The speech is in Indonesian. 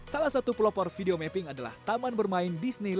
salah satu pelopor video mapping adalah taman bermain disney